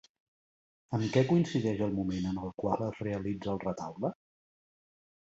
Amb què coincideix el moment en el qual es realitza el retaule?